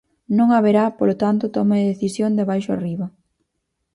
Non haberá, polo tanto, toma de decisión de abaixo a arriba.